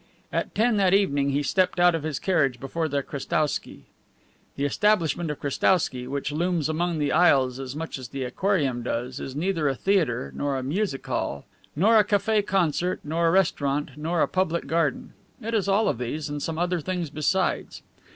At ten that evening he stepped out of his carriage before the Krestowsky. The establishment of Krestowsky, which looms among the Isles much as the Aquarium does, is neither a theater, nor a music hall, nor a cafe concert, nor a restaurant, nor a public garden; it is all of these and some other things besides.